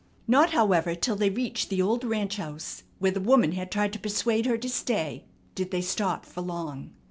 Not however, till they reached the old ranchhouse, where the woman had tried to persuade her to stay, did they stop for long.